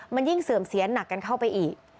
มันยิ่งเสื่อมเสียหนักกันเข้าไปอีก